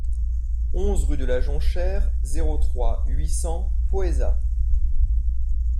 onze rue de la Jonchère, zéro trois, huit cents Poëzat